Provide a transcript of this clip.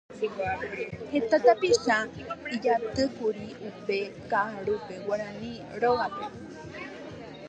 Heta tapicha ijatýkuri upe kaʼarúpe Guarani Rógape.